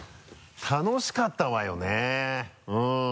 楽しかったわよねうん。